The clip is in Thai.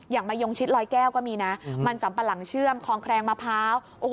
มะยงชิดลอยแก้วก็มีนะมันสัมปะหลังเชื่อมคลองแคลงมะพร้าว